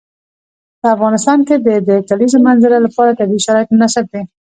په افغانستان کې د د کلیزو منظره لپاره طبیعي شرایط مناسب دي.